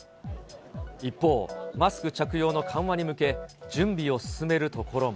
一方、マスク着用の緩和に向け、準備を進めるところも。